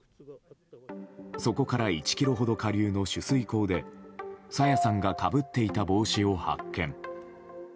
そこから１ｋｍほど下流の取水口で朝芽さんがかぶっていた帽子を発見。